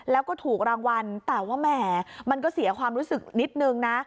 แล้วก็ถูกรางวัลแต่ว่าแหมมันก็เสียความรู้สึกนิดนึงนะ